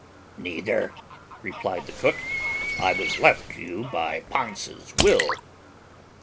"Neither," replied the cook, "I was left to you by Pansa's will."